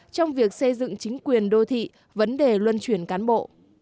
trong việc xây dựng chính quyền đô thị vấn đề luân chuyển cán bộ